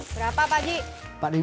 berapa pak ji